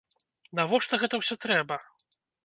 Навошта гэта ўсё трэба?